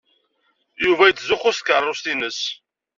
Yuba yettzuxxu s tkeṛṛust-nnes.